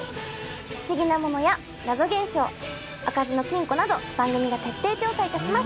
不思議なものや謎現象開かずの金庫など番組が徹底調査いたします。